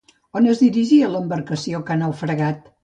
On es dirigia l'embarcació que ha naufragat?